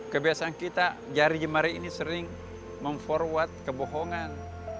kebiasaan kita jari jemari ini sering memforwat kebohongan